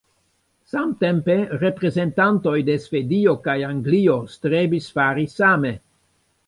Samtempe, reprezentantoj de Svedio kaj Anglio strebis fari same.